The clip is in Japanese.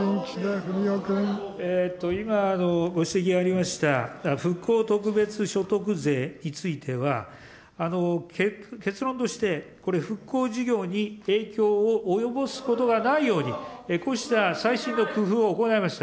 今のご指摘がありました復興特別所得税については、結論として、これ復興事業に影響を及ぼすことがないように、こうした最新の工夫を行いました。